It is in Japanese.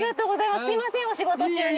すみませんお仕事中に。